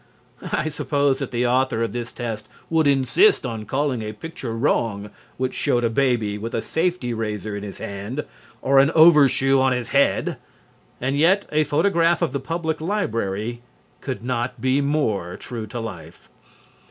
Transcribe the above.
I suppose that the author of this test would insist on calling a picture wrong which showed a baby with a safety razor in his hand or an overshoe on his head, and yet a photograph of the Public Library could not be more true to life.